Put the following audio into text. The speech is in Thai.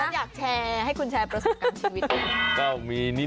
อยากแชร์ให้คุณแชร์ประสบการณ์ชีวิต